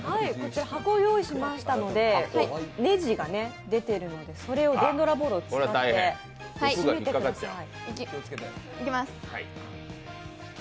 箱を用意しましたのでねじが出ているのでそれを電ドラボールを使ってしめてください。